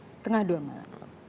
setengah dua malam